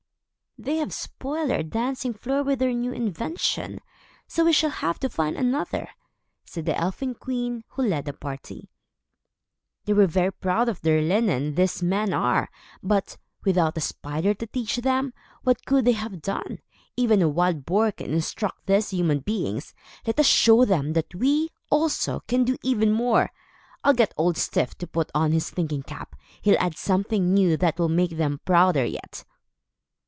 "They have spoiled our dancing floor with their new invention; so we shall have to find another," said the elfin queen, who led the party. "They are very proud of their linen, these men are; but, without the spider to teach them, what could they have done? Even a wild boar can instruct these human beings. Let us show them, that we, also, can do even more. I'll get Old Styf to put on his thinking cap. He'll add something new that will make them prouder yet."